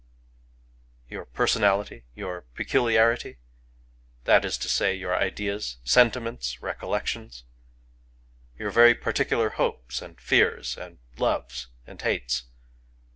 ••• Your personality ?— your peculiarity ? That is to say, your ideas, sentiments, recollections? — your very particular hopes and fears and loves and hates?